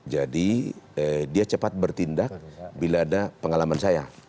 jadi dia cepat bertindak bila ada pengalaman saya